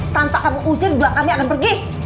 tanpa kamu usir juga kami akan pergi